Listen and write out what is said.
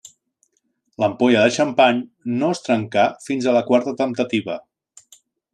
L'ampolla de xampany no es trencà fins a la quarta temptativa.